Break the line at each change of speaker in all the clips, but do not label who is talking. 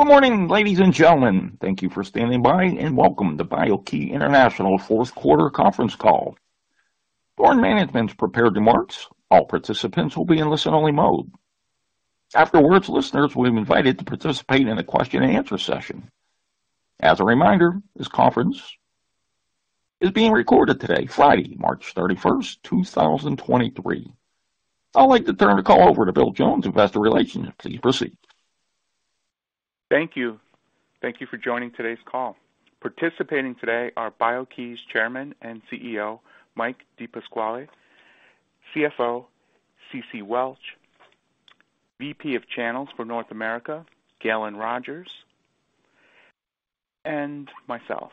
Good morning, ladies and gentlemen. Thank you for standing by, welcome to BIO-key International fourth quarter conference call. During management's prepared remarks, all participants will be in listen-only mode. Afterwards, listeners will be invited to participate in a question-and-answer session. As a reminder, this conference is being recorded today, Friday, March 31st, 2023. I'd like to turn the call over to Bill Jones, Investor Relations. Please proceed.
Thank you. Thank you for joining today's call. Participating today are BIO-key's Chairman and CEO, Mike DePasquale, CFO, Ceci Welch, VP of Channels for North America, Galen Rodgers, and myself.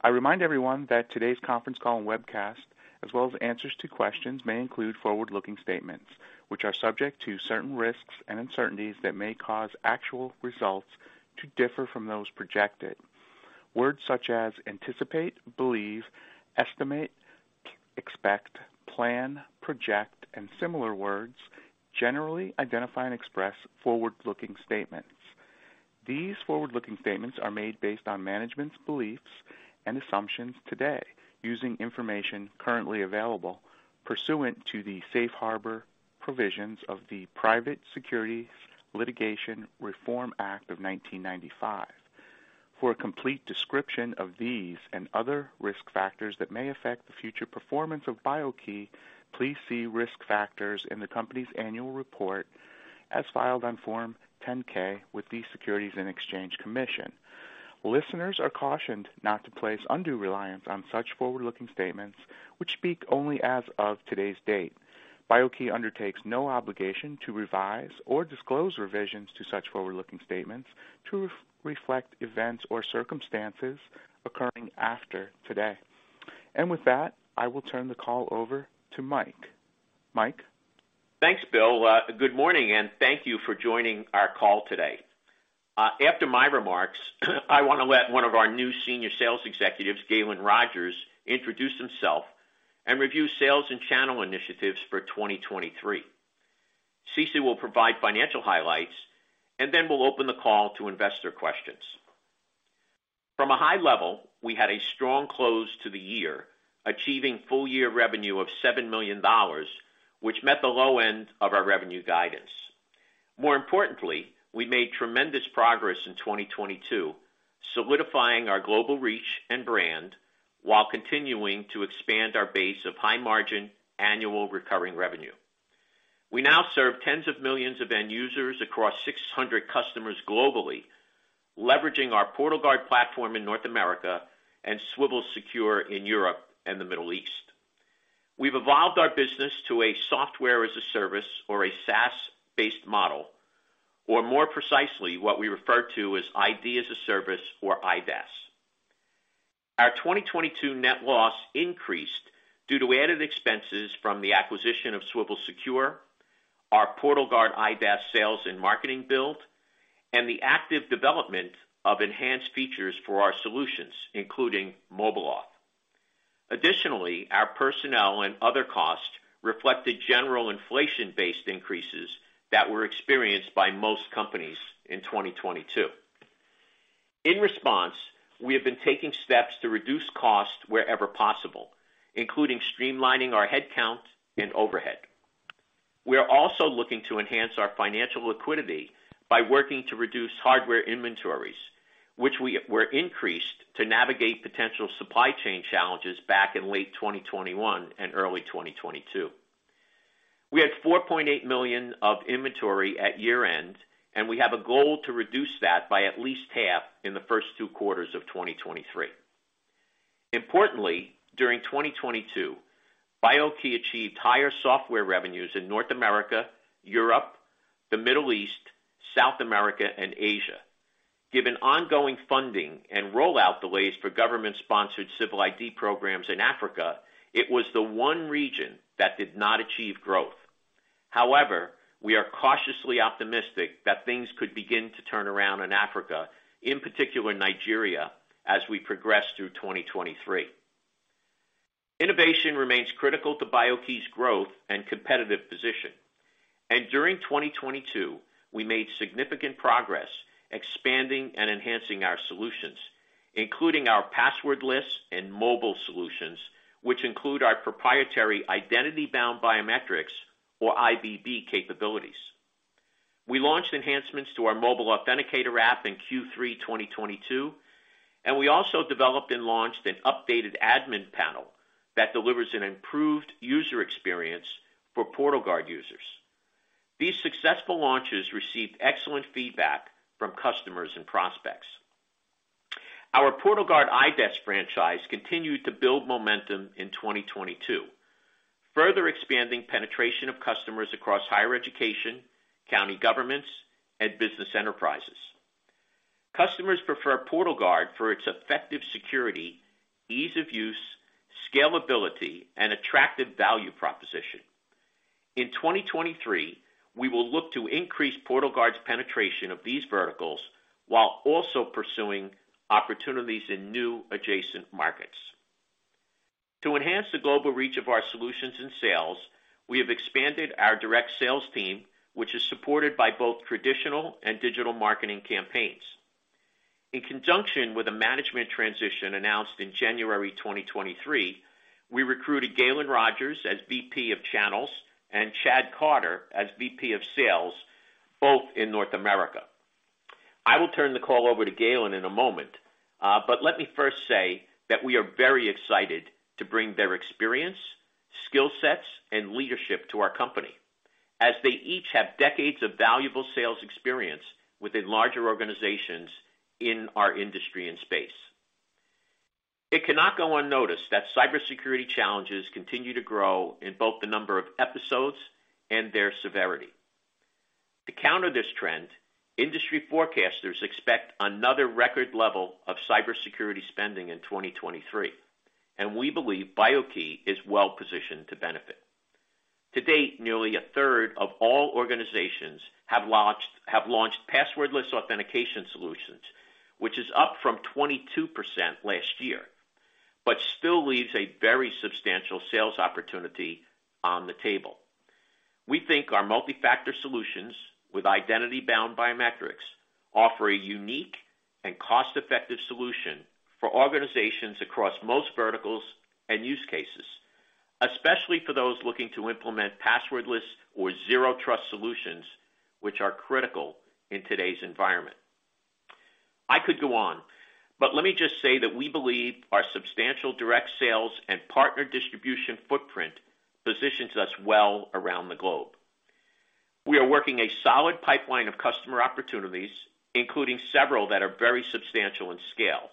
I remind everyone that today's conference call and webcast, as well as answers to questions may include forward-looking statements, which are subject to certain risks and uncertainties that may cause actual results to differ from those projected. Words such as anticipate, believe, estimate, expect, plan, project, and similar words generally identify and express forward-looking statements. These forward-looking statements are made based on management's beliefs and assumptions today, using information currently available pursuant to the safe harbor provisions of the Private Securities Litigation Reform Act of 1995. For a complete description of these and other risk factors that may affect the future performance of BIO-key, please see risk factors in the company's annual report as filed on Form 10-K with the Securities and Exchange Commission. Listeners are cautioned not to place undue reliance on such forward-looking statements which speak only as of today's date. BIO-key undertakes no obligation to revise or disclose revisions to such forward-looking statements to reflect events or circumstances occurring after today. With that, I will turn the call over to Mike. Mike.
Thanks, Bill. Good morning, and thank you for joining our call today. After my remarks, I want to let one of our new senior sales executives, Galen Rodgers, introduce himself and review sales and channel initiatives for 2023. Ceci will provide financial highlights, and then we'll open the call to investor questions. From a high level, we had a strong close to the year, achieving full-year revenue of $7 million, which met the low end of our revenue guidance. More importantly, we made tremendous progress in 2022, solidifying our global reach and brand while continuing to expand our base of high-margin Annual Recurring Revenue. We now serve tens of millions of end users across 600 customers globally, leveraging our PortalGuard platform in North America and Swivel Secure in Europe and the Middle East. We've evolved our business to a Software as a Service or a SaaS-based model, or more precisely, what we refer to as ID as a Service or IDaaS. Our 2022 net loss increased due to added expenses from the acquisition of Swivel Secure, our PortalGuard IDaaS sales and marketing build, and the active development of enhanced features for our solutions, including MobileAuth. Additionally, our personnel and other costs reflected general inflation-based increases that were experienced by most companies in 2022. In response, we have been taking steps to reduce costs wherever possible, including streamlining our headcount and overhead. We are also looking to enhance our financial liquidity by working to reduce hardware inventories, which were increased to navigate potential supply chain challenges back in late 2021 and early 2022. We had $4.8 million of inventory at year-end. We have a goal to reduce that by at least half in the first two quarters of 2023. Importantly, during 2022, BIO-key achieved higher software revenues in North America, Europe, the Middle East, South America, and Asia. Given ongoing funding and rollout delays for government-sponsored civil ID programs in Africa, it was the one region that did not achieve growth. However, we are cautiously optimistic that things could begin to turn around in Africa, in particular Nigeria, as we progress through 2023. Innovation remains critical to BIO-key's growth and competitive position. During 2022, we made significant progress expanding and enhancing our solutions, including our passwordless and mobile solutions, which include our proprietary Identity-Bound Biometrics or IBB capabilities. We launched enhancements to our mobile authenticator app in Q3 2022. We also developed and launched an updated admin panel that delivers an improved user experience for PortalGuard users. These successful launches received excellent feedback from customers and prospects. Our PortalGuard IDaaS franchise continued to build momentum in 2022, further expanding penetration of customers across higher education, county governments, and business enterprises. Customers prefer PortalGuard for its effective security, ease of use, scalability, and attractive value proposition. In 2023, we will look to increase PortalGuard's penetration of these verticals while also pursuing opportunities in new adjacent markets. To enhance the global reach of our solutions and sales, we have expanded our direct sales team, which is supported by both traditional and digital marketing campaigns. In conjunction with a management transition announced in January 2023, we recruited Galen Rodgers as VP of Channels and Chad Carter as VP of Sales, both in North America. I will turn the call over to Galen in a moment, but let me first say that we are very excited to bring their experience, skill sets, and leadership to our company, as they each have decades of valuable sales experience within larger organizations in our industry and space. It cannot go unnoticed that cybersecurity challenges continue to grow in both the number of episodes and their severity. To counter this trend, industry forecasters expect another record level of cybersecurity spending in 2023, and we believe BIO-key is well-positioned to benefit. To date, nearly a third of all organizations have launched passwordless authentication solutions, which is up from 22% last year, still leaves a very substantial sales opportunity on the table. We think our multi-factor solutions with Identity-Bound Biometrics offer a unique and cost-effective solution for organizations across most verticals and use cases, especially for those looking to implement passwordless or zero trust solutions which are critical in today's environment. I could go on, let me just say that we believe our substantial direct sales and partner distribution footprint positions us well around the globe. We are working a solid pipeline of customer opportunities, including several that are very substantial in scale,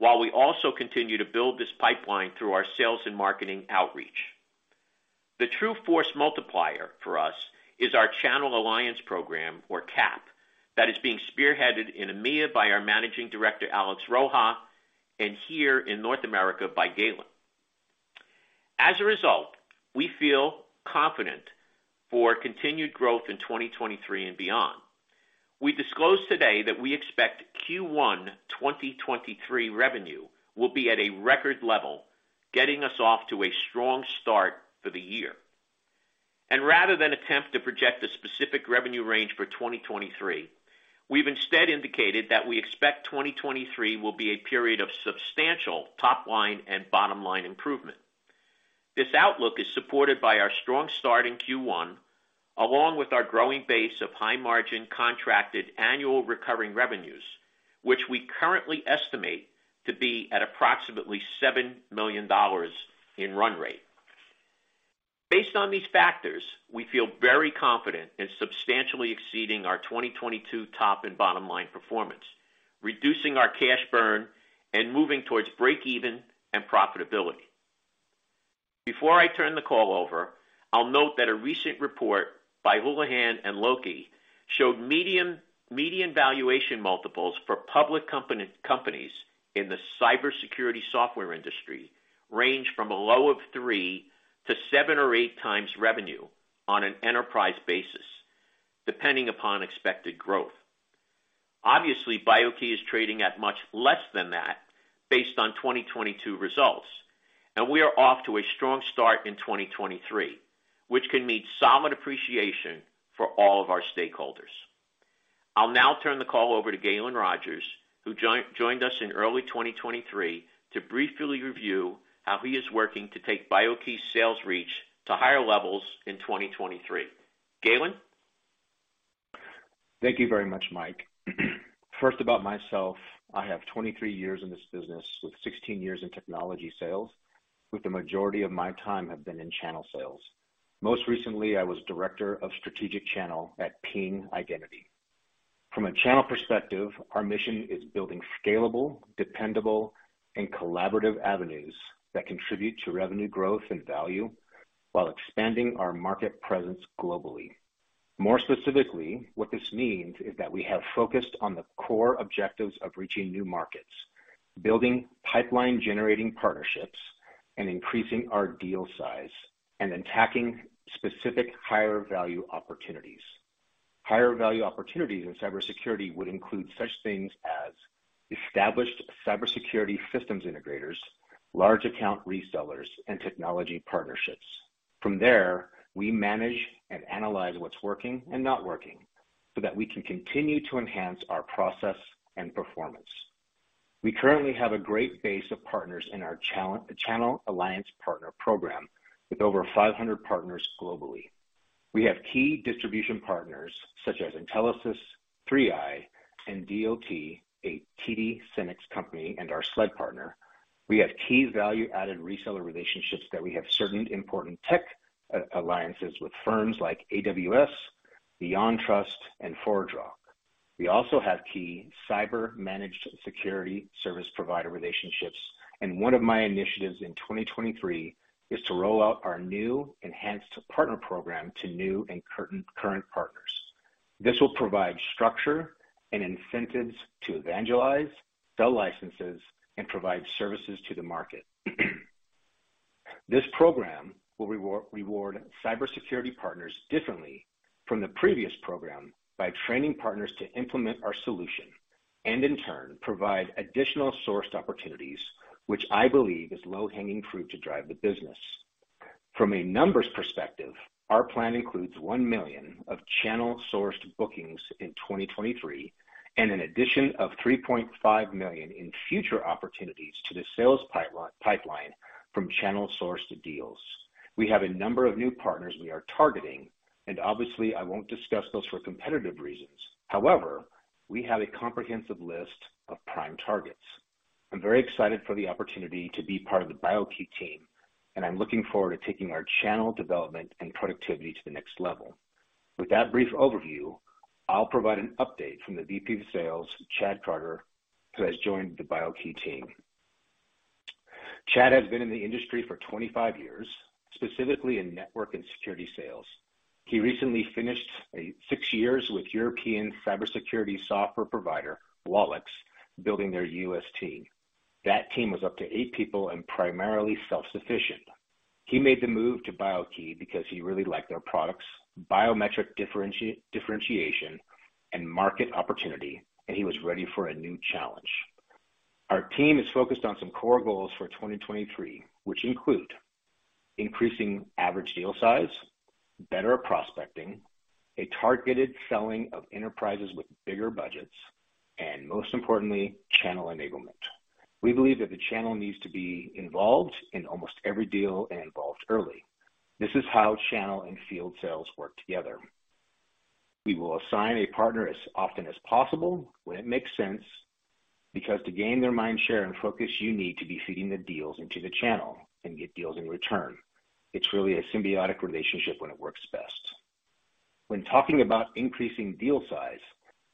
while we also continue to build this pipeline through our sales and marketing outreach. The true force multiplier for us is our Channel Alliance Program, or CAP, that is being spearheaded in EMEA by our managing director, Alex Rocha, and here in North America by Galen. As a result, we feel confident for continued growth in 2023 and beyond. We disclosed today that we expect Q1 2023 revenue will be at a record level, getting us off to a strong start for the year. Rather than attempt to project a specific revenue range for 2023, we've instead indicated that we expect 2023 will be a period of substantial top line and bottom line improvement. This outlook is supported by our strong start in Q1, along with our growing base of high margin contracted annual recurring revenues, which we currently estimate to be at approximately $7 million in run rate. Based on these factors, we feel very confident in substantially exceeding our 2022 top and bottom line performance, reducing our cash burn and moving towards breakeven and profitability. Before I turn the call over, I'll note that a recent report by Houlihan Lokey showed medium, median valuation multiples for public companies in the cybersecurity software industry range from a low of 3x-7x or 8x revenue on an enterprise basis, depending upon expected growth. Obviously, BIO-key is trading at much less than that based on 2022 results, we are off to a strong start in 2023, which can mean solid appreciation for all of our stakeholders. I'll now turn the call over to Galen Rodgers, who joined us in early 2023 to briefly review how he is working to take BIO-key's sales reach to higher levels in 2023. Galen.
Thank you very much, Mike. First about myself. I have 23 years in this business, with 16 years in Technology Sales, with the majority of my time have been in Channel Sales. Most recently, I was Director of Strategic Channel at Ping Identity. A Channel perspective, our mission is building scalable, dependable, and collaborative avenues that contribute to revenue growth and value while expanding our market presence globally. More specifically, what this means is that we have focused on the core objectives of reaching new markets, building pipeline-generating partnerships, and increasing our deal size and attacking specific higher value opportunities. Higher value opportunities in cybersecurity would include such things as established cybersecurity systems integrators, large account resellers, and technology partnerships. There, we manage and analyze what's working and not working so that we can continue to enhance our process and performance. We currently have a great base of partners in our Channel Alliance Partner program, with over 500 partners globally. We have key distribution partners such as Intelisys, 3i, and DLT, a TD SYNNEX company and our SLED partner. We have key value-added reseller relationships that we have certain important tech alliances with firms like AWS, BeyondTrust, and ForgeRock. We also have key cyber managed security service provider relationships. One of my initiatives in 2023 is to roll out our new enhanced partner program to new and current partners. This will provide structure and incentives to evangelize, sell licenses, and provide services to the market. This program will reward cybersecurity partners differently from the previous program by training partners to implement our solution and in turn provide additional sourced opportunities, which I believe is low-hanging fruit to drive the business. From a numbers perspective, our plan includes $1 million of channel sourced bookings in 2023 and an addition of $3.5 million in future opportunities to the sales pipeline from channel sourced deals. We have a number of new partners we are targeting, and obviously I won't discuss those for competitive reasons. However, we have a comprehensive list of prime targets. I'm very excited for the opportunity to be part of the BIO-key team, and I'm looking forward to taking our channel development and productivity to the next level. With that brief overview, I'll provide an update from the VP of Sales, Chad Carter, who has joined the BIO-key team. Chad has been in the industry for 25 years, specifically in network and security sales. He recently finished six years with European cybersecurity software provider, WALLIX, building their U.S. team. That team was up to eight people and primarily self-sufficient. He made the move to BIO-key because he really liked their products, biometric differentiation and market opportunity, and he was ready for a new challenge. Our team is focused on some core goals for 2023, which include increasing average deal size, better prospecting, a targeted selling of enterprises with bigger budgets, and most importantly, channel enablement. We believe that the channel needs to be involved in almost every deal and involved early. This is how channel and field sales work together. We will assign a partner as often as possible when it makes sense, because to gain their mind share and focus, you need to be feeding the deals into the channel and get deals in return. It's really a symbiotic relationship when it works best. When talking about increasing deal size,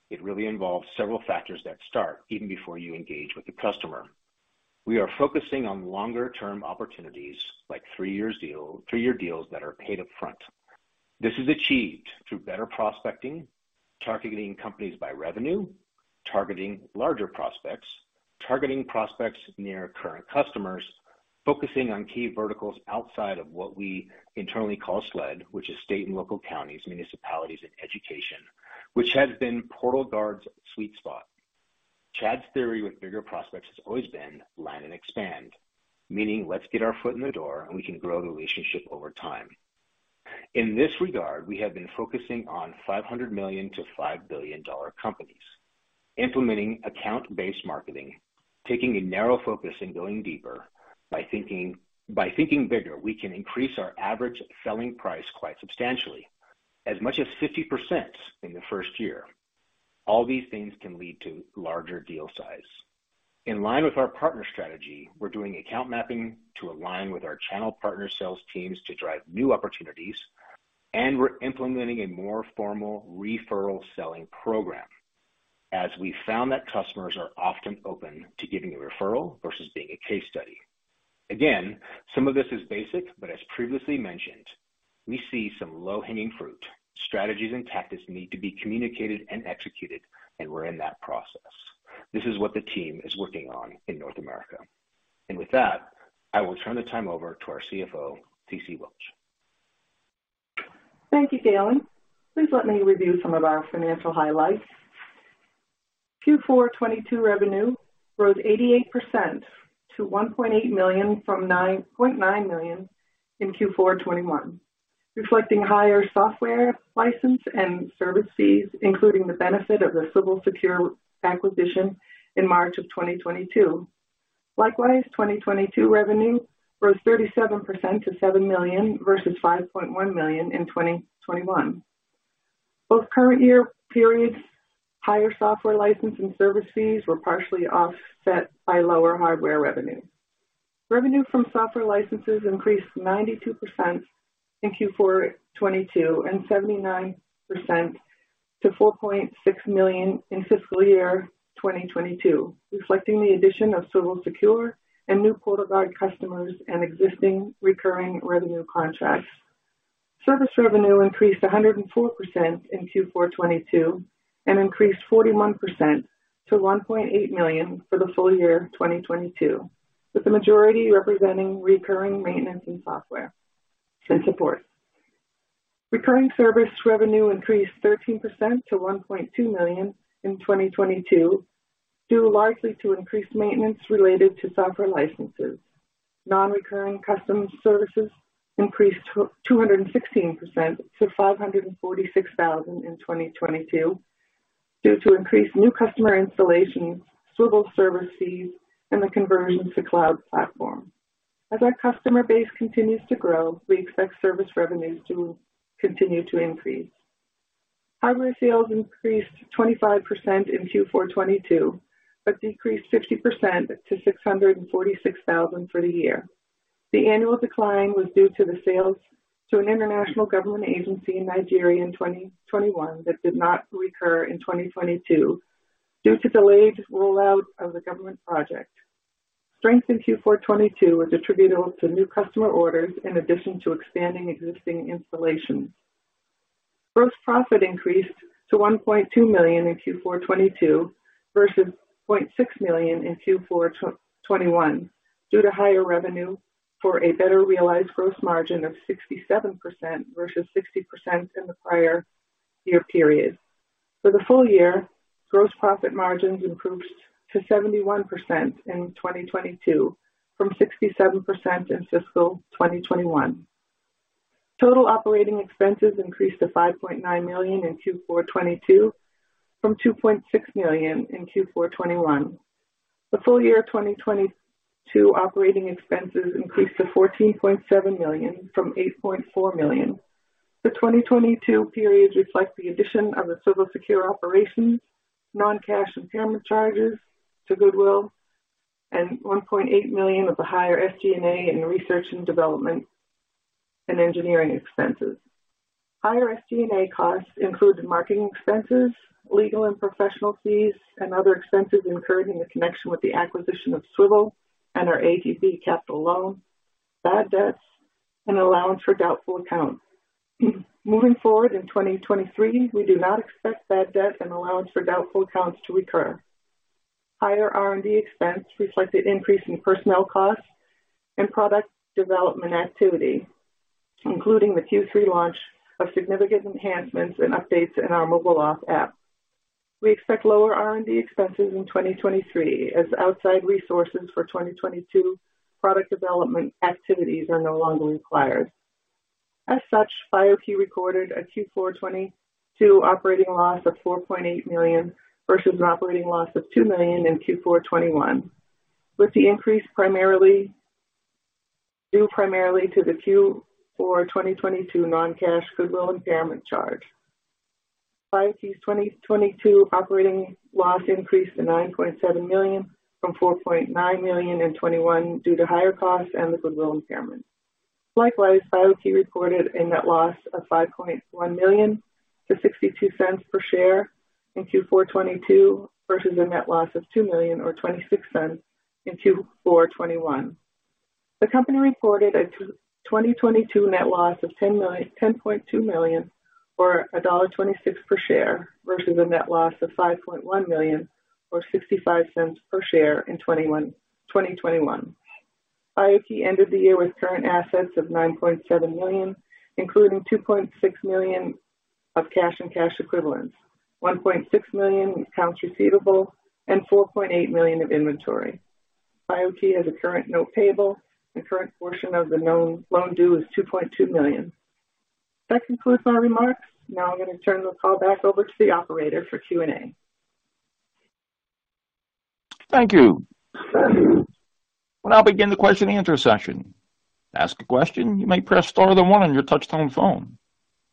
it really involves several factors that start even before you engage with the customer. We are focusing on longer term opportunities like 3-year deals that are paid upfront. This is achieved through better prospecting, targeting companies by revenue, targeting larger prospects, targeting prospects near current customers, focusing on key verticals outside of what we internally call SLED, which is state and local counties, municipalities, and education, which has been PortalGuard's sweet spot. Chad's theory with bigger prospects has always been land and expand, meaning let's get our foot in the door and we can grow the relationship over time. In this regard, we have been focusing on $500 million-$5 billion dollar companies, implementing account-based marketing, taking a narrow focus and going deeper. By thinking bigger, we can increase our average selling price quite substantially, as much as 50% in the first year. All these things can lead to larger deal size. In line with our partner strategy, we're doing account mapping to align with our channel partner sales teams to drive new opportunities. We're implementing a more formal referral selling program, as we found that customers are often open to giving a referral versus being a case study. Some of this is basic, as previously mentioned, we see some low-hanging fruit. Strategies and tactics need to be communicated and executed. We're in that process. This is what the team is working on in North America. With that, I will turn the time over to our CFO, Ceci Welch.
Thank you, Galen. Please let me review some of our financial highlights. Q4 2022 Revenue rose 88% to $1.8 million from $9.9 million in Q4 2021, reflecting higher software license and service fees, including the benefit of the Swivel Secure acquisition in March of 2022. Likewise, 2022 Revenue rose 37% to $7 million versus $5.1 million in 2021. Both current year periods, higher software license and service fees were partially offset by lower hardware revenue. Revenue from software licenses increased 92% in Q4 2022 and 79% to $4.6 million in fiscal year 2022, reflecting the addition of Swivel Secure and new PortalGuard customers and existing recurring revenue contracts. Service Revenue increased 104% in Q4 2022 and increased 41% to $1.8 million for the full year 2022, with the majority representing recurring maintenance in software and support. Recurring Service Revenue increased 13% to $1.2 million in 2022, due largely to increased maintenance related to software licenses. Non-recurring Custom Services increased 216% to $546,000 in 2022 due to increased new customer installations, Swivel Secure service fees, and the conversion to cloud platform. As our customer base continues to grow, we expect service revenues to continue to increase. Hardware sales increased 25% in Q4 2022, decreased 60% to $646,000 for the year. The annual decline was due to the sales to an international government agency in Nigeria in 2021 that did not recur in 2022 due to delayed rollout of the government project. Strength in Q4 2022 were attributable to new customer orders in addition to expanding existing installations. Gross Profit increased to $1.2 million in Q4 2022 versus $0.6 million in Q4 2021 due to higher revenue for a better realized gross margin of 67% versus 60% in the prior year period. For the full year, Gross Profit margins improved to 71% in 2022 from 67% in fiscal 2021. Total Operating Expenses increased to $5.9 million in Q4 2022 from $2.6 million in Q4 2021. The full year 2022 operating expenses increased to $14.7 million from $8.4 million. The 2022 period reflects the addition of the Swivel Secure operations, non-cash impairment charges to goodwill, and $1.8 million of the higher SG&A in Research and Development and engineering expenses. Higher SG&A costs included marketing expenses, legal and professional fees, and other expenses incurred in the connection with the acquisition of Swivel and our ADP capital loan, bad debts, and allowance for doubtful accounts. Moving forward, in 2023, we do not expect bad debt and allowance for doubtful accounts to recur. Higher R&D expense reflect the increase in personnel costs and product development activity, including the Q3 launch of significant enhancements and updates in our MobileAuth app. We expect lower R&D expenses in 2023 as outside resources for 2022 product development activities are no longer required. As such, BIO-key recorded a Q4 2022 operating loss of $4.8 million versus an operating loss of $2 million in Q4 2021, with the increase due primarily to the Q4 2022 non-cash goodwill impairment charge. BIO-key's 2022 operating loss increased to $9.7 million from $4.9 million in 2021 due to higher costs and the goodwill impairment. Likewise, BIO-key reported a net loss of $5.1 million to $0.62 per share in Q4 2022 versus a net loss of $2 million or $0.26 in Q4 2021. The company reported a 2022 net loss of $10.2 million or $1.26 per share versus a net loss of $5.1 million or $0.65 per share in 2021. BIO-key ended the year with current assets of $9.7 million, including $2.6 million of cash and cash equivalents, $1.6 million in accounts receivable, and $4.8 million of inventory. BIO-key has a current note payable, and current portion of the known loan due is $2.2 million. That concludes my remarks. Now I'm gonna turn the call back over to the operator for Q&A.
Thank you.
Thank you.
We'll now begin the question and answer session. To ask a question, you may press star then one on your touchtone phone.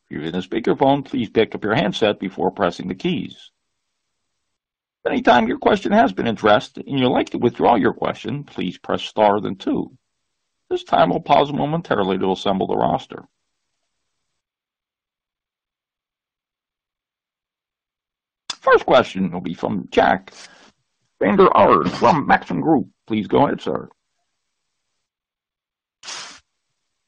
If you're using a speakerphone, please pick up your handset before pressing the keys. Any time your question has been addressed and you'd like to withdraw your question, please press star then two. This time we'll pause momentarily to assemble the roster. First question will be from Jack Vander Aarde from Maxim Group. Please go ahead, sir.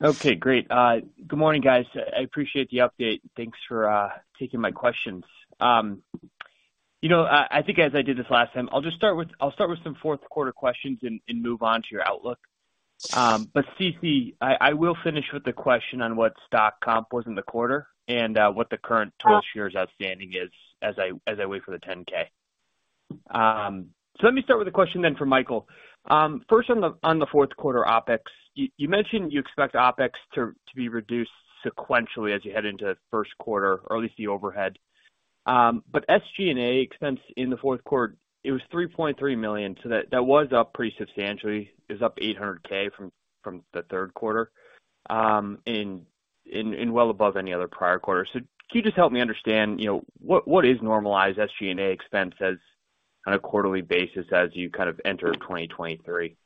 Okay, great. Good morning, guys. I appreciate the update. Thanks for taking my questions. You know, I think as I did this last time, I'll start with some fourth quarter questions and move on to your outlook. Ceci, I will finish with the question on what stock comp was in the quarter and what the current total shares outstanding is as I wait for the 10-K. Let me start with a question then for Michael. First on the fourth quarter OpEx. You mentioned you expect OpEx to be reduced sequentially as you head into first quarter or at least the overhead. SG&A expense in the fourth quarter, it was $3.3 million, so that was up pretty substantially. It was up $800K from the third quarter, and well above any other prior quarter. Can you just help me understand, you know, what is normalized SG&A expense as on a quarterly basis as you kind of enter 2023?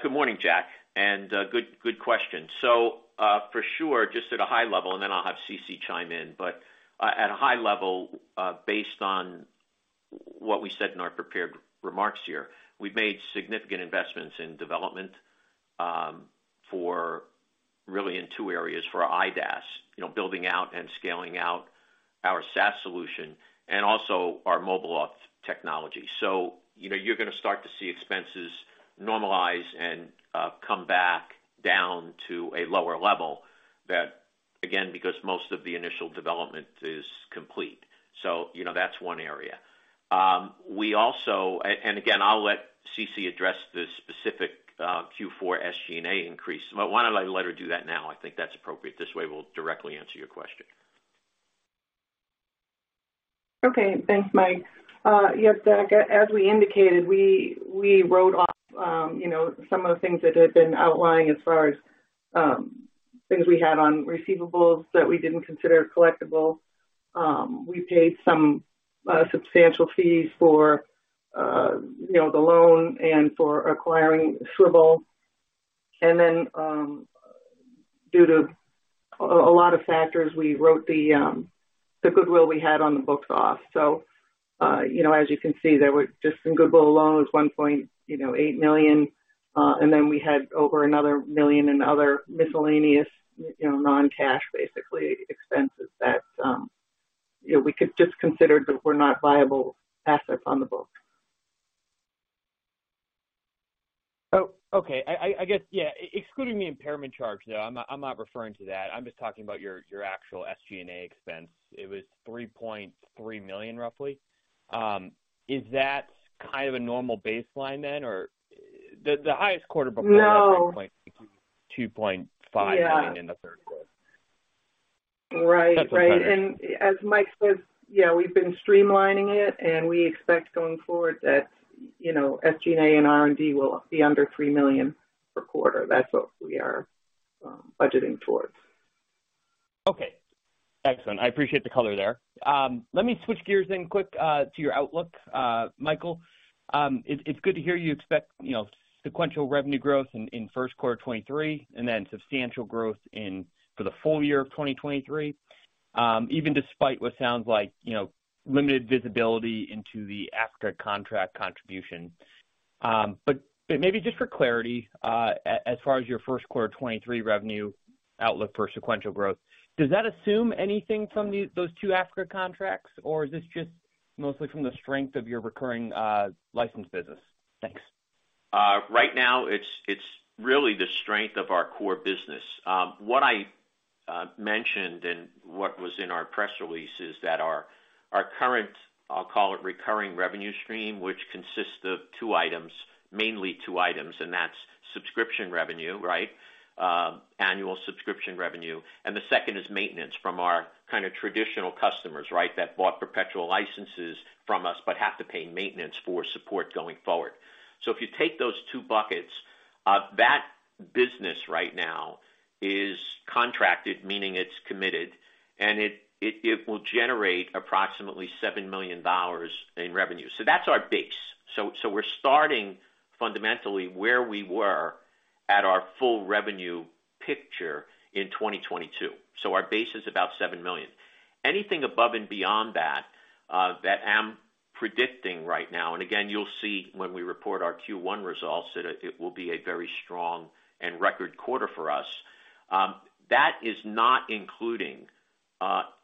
Good morning, Jack, and good question. For sure, just at a high level, and then I'll have Ceci chime in, but at a high level, based on what we said in our prepared remarks here, we've made significant investments in development for really in two areas for IDaaS, you know, building out and scaling out our SaaS solution and also our MobileAuth technology. You know, you're gonna start to see expenses normalize and come back down to a lower level that again, because most of the initial development is complete. You know, that's one area. We also and again, I'll let Ceci address the specific Q4 SG&A increase. Why don't I let her do that now? I think that's appropriate. This way, we'll directly answer your question.
Okay. Thanks, Mike. Yes, Jack, as we indicated, we wrote off, you know, some of the things that had been outlying as far as things we had on receivables that we didn't consider collectible. We paid some substantial fees for, you know, the loan and for acquiring Swivel Secure. Due to a lot of factors, we wrote the goodwill we had on the books off. As you can see, there were just some goodwill alone was $1.8 million. We had over another $1 million in other miscellaneous, you know, non-cash basically expenses that, you know, we could just consider that were not viable assets on the books.
Okay. I guess, yeah, excluding the impairment charge, though, I'm not referring to that. I'm just talking about your actual SG&A expense. It was $3.3 million, roughly. Is that kind of a normal baseline then? Or the highest quarter before?
No.
-was like $2.5 million-
Yeah.
-in the third quarter.
Right. Right. As Mike said, yeah, we've been streamlining it, and we expect going forward that, you know, SG&A and R&D will be under $3 million per quarter. That's what we are budgeting towards.
Okay. Excellent. I appreciate the color there. Let me switch gears then quick to your outlook, Michael. It's good to hear you expect, you know, sequential revenue growth in first quarter 2023 and then substantial growth in for the full year of 2023, even despite what sounds like, you know, limited visibility into the Africa contract contribution. Maybe just for clarity, as far as your first quarter 2023 revenue outlook for sequential growth, does that assume anything from those two Africa contracts, or is this just mostly from the strength of your recurring license business? Thanks.
Right now it's really the strength of our core business. What I mentioned and what was in our press release is that our current, I'll call it recurring revenue stream, which consists of two items, mainly two items, and that's Subscription revenue, right? Annual Subscription Revenue. The second is maintenance from our kind of traditional customers, right? That bought perpetual licenses from us but have to pay maintenance for support going forward. If you take those two buckets, that business right now is contracted, meaning it's committed, and it will generate approximately $7 million in revenue. That's our base. We're starting fundamentally where we were at our full revenue picture in 2022. Our base is about $7 million. Anything above and beyond that that I'm predicting right now, again, you'll see when we report our Q1 results, that it will be a very strong and record quarter for us. That is not including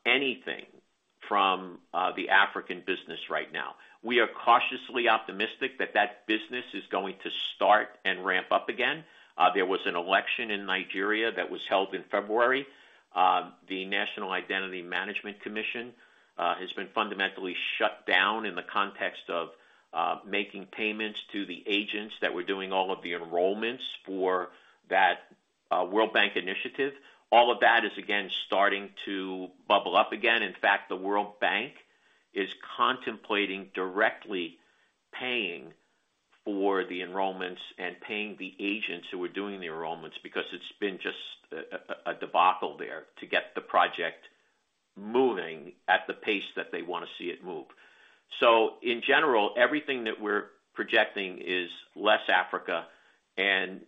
anything from the African business right now. We are cautiously optimistic that that business is going to start and ramp up again. There was an election in Nigeria that was held in February. The National Identity Management Commission has been fundamentally shut down in the context of making payments to the agents that were doing all of the enrollments for that World Bank initiative. All of that is again starting to bubble up again. In fact, the World Bank is contemplating directly paying for the enrollments and paying the agents who are doing the enrollments because it's been just a debacle there to get the project moving at the pace that they wanna see it move. In general, everything that we're projecting is less Africa, and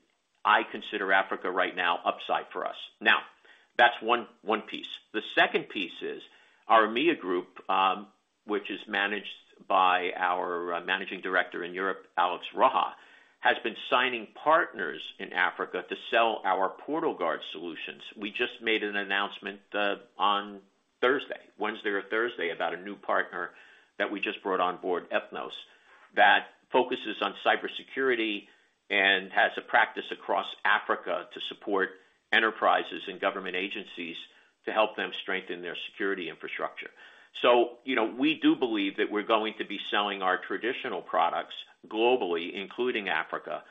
I consider Africa right now upside for us. Now, that's one piece. The second piece is our EMEA group, which is managed by our managing director in Europe, Alex Rocha, has been signing partners in Africa to sell our PortalGuard solutions. We just made an announcement on Thursday, Wednesday or Thursday, about a new partner that we just brought on board, Ethnos, that focuses on cybersecurity and has a practice across Africa to support enterprises and government agencies to help them strengthen their security infrastructure. You know, we do believe that we're going to be selling our traditional products globally, including Africa,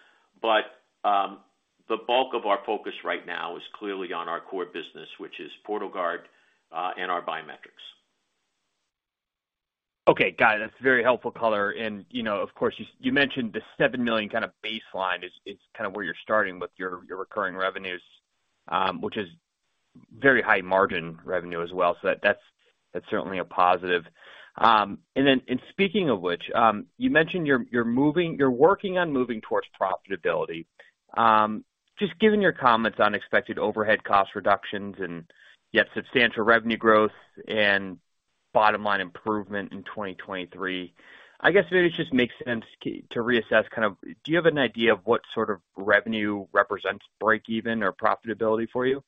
but the bulk of our focus right now is clearly on our core business, which is PortalGuard, and our biometrics.
Okay, got it. That's a very helpful color. You know, of course, you mentioned the $7 million kind of baseline is kind of where you're starting with your recurring revenues, which is very high margin revenue as well. That's certainly a positive. Speaking of which, you mentioned you're working on moving towards profitability. Just given your comments on expected overhead cost reductions and yet substantial revenue growth and bottom-line improvement in 2023, I guess maybe it just makes sense to reassess kind of do you have an idea of what sort of revenue represents break even or profitability for you?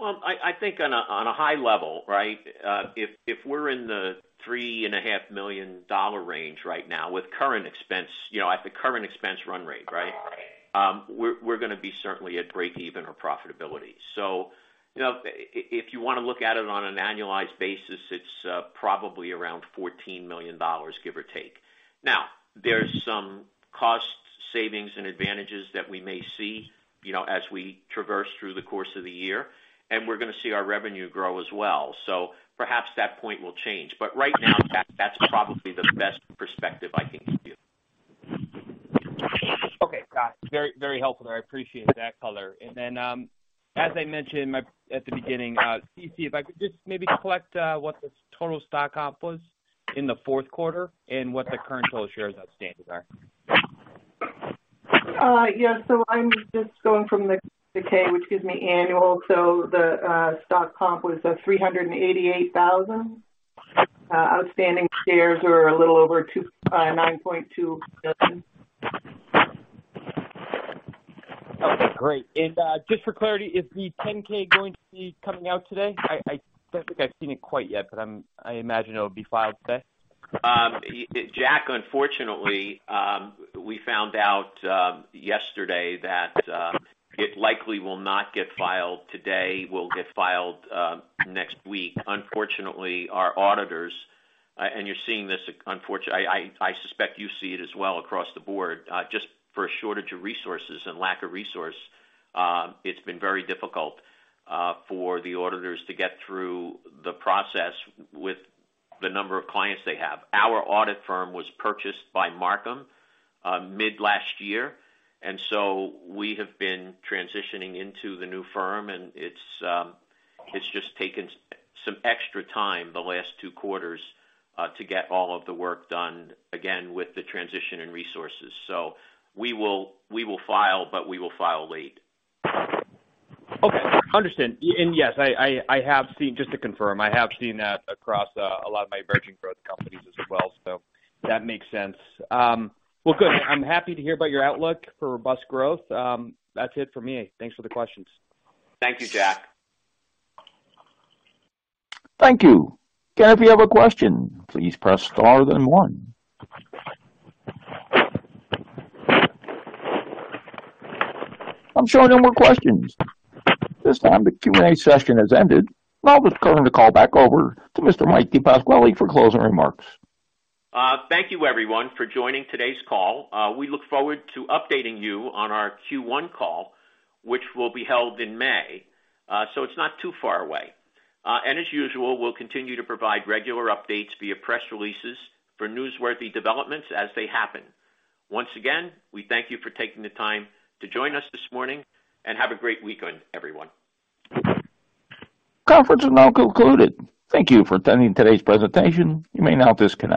Well, I think on a high level, right, if we're in the three and a half million dollar range right now with current expense, you know, at the current expense run rate, right? We're gonna be certainly at breakeven or profitability. You know, if you wanna look at it on an annualized basis, it's probably around $14 million, give or take. There's some cost savings and advantages that we may see, you know, as we traverse through the course of the year, and we're gonna see our revenue grow as well. Perhaps that point will change. Right now, that's probably the best perspective I can give you.
Okay. Got it. Very, very helpful. I appreciate that color. As I mentioned at the beginning, Ceci, if I could just maybe collect what the total stock comp was in the fourth quarter and what the current total shares outstanding are.
Yeah, I'm just going from the K, which gives me annual. The stock comp was $388,000. Outstanding shares are a little over 9.2 million.
Okay, great. Just for clarity, is the 10-K going to be coming out today? I don't think I've seen it quite yet, I imagine it will be filed today.
Jack, unfortunately, we found out yesterday that it likely will not get filed today, will get filed next week. Unfortunately, our auditors, and you're seeing this, I suspect you see it as well across the board, just for a shortage of resources and lack of resource, it's been very difficult for the auditors to get through the process with the number of clients they have. Our audit firm was purchased by Marcum mid last year, and so we have been transitioning into the new firm, and it's just taken some extra time the last two quarters to get all of the work done, again, with the transition in resources. We will, we will file, but we will file late.
Okay. Understand. Yes, I have seen... Just to confirm, I have seen that across a lot of my emerging growth companies as well, that makes sense. Well, good. I'm happy to hear about your outlook for robust growth. That's it for me. Thanks for the questions.
Thank you, Jack.
Thank you. Again, if you have a question, please press star then one. I'm showing no more questions. At this time the Q&A session has ended. I'll just turn the call back over to Mr. Mike DePasquale for closing remarks.
Thank you everyone for joining today's call. We look forward to updating you on our Q1 call, which will be held in May. It's not too far away. As usual, we'll continue to provide regular updates via press releases for newsworthy developments as they happen. Once again, we thank you for taking the time to join us this morning, and have a great weekend, everyone.
Conference is now concluded. Thank you for attending today's presentation. You may now disconnect.